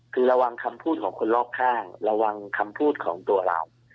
คือระวังคำพูดของคนรอบข้างระวังคำพูดของตัวเรา